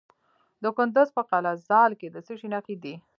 د کندز په قلعه ذال کې د څه شي نښې دي؟